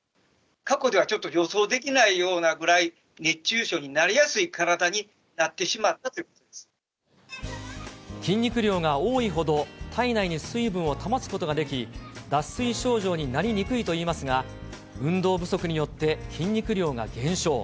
過去ではちょっと予想できないくらい、熱中症になりやすい体にな筋肉量が多いほど、体内に水分を保つことができ、脱水症状になりにくいといいますが、運動不足によって、筋肉量が減少。